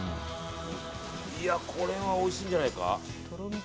これはおいしいんじゃないか。